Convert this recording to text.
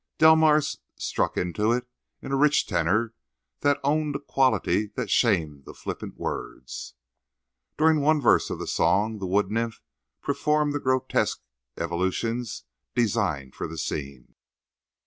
Delmars struck into it in a rich tenor that owned a quality that shamed the flippant words. During one verse of the song the wood nymph performed the grotesque evolutions designed for the scene.